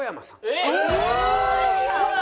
えっ！